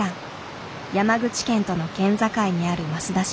山口県との県境にある益田市。